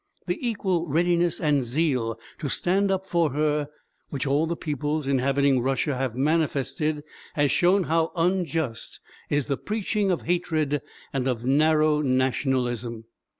The equal readiness and zeal to stand up for her which all the peoples inhabiting Russia have manifested has shown how unjust is the preaching of hatred and of narrow nationalism.